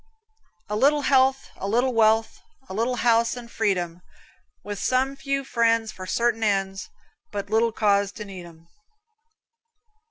A little health, a little wealth, A little house and freedom, With some few friends for certain ends, But little cause to need 'em.